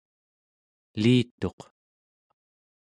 elituq